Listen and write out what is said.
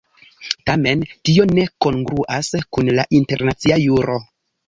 Tamen tio ne kongruas kun la internacia juro.